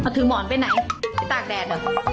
เขาถือหมอนไปไหนตากแดดอยู่